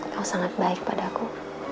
kau sangat baik padaku